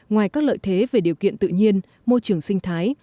ngoài các lợi thế về điều kiện tự nhiên môi trường sinh thái